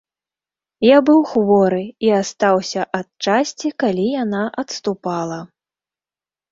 Я быў хворы і астаўся ад часці, калі яна адступала.